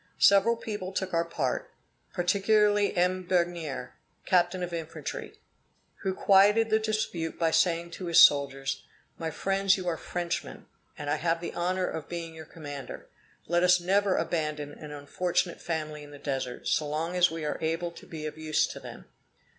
Several people took our part, particularly M. Begnere, captain of infantry, who quieted the dispute by saying to his soldiers, 'My friends, you are Frenchmen, and I have the honor of being your commander; let us never abandon an unfortunate family in the Desert, so long as we are able to be of use to them.'